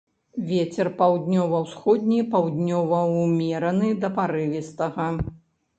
Вецер паўднёва-ўсходні, паўднёвы ўмераны да парывістага.